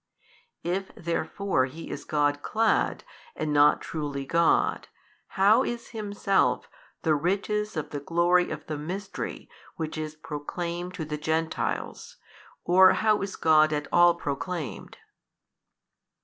If 19 therefore He is God clad and not truly God, how is Himself the riches of the glory of the Mystery which is proclaimed to the Gentiles? or how is God at all proclaimed?